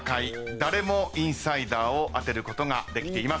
誰もインサイダーを当てることができていません。